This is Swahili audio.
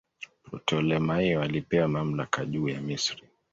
Ptolemaio alipewa mamlaka juu ya Misri.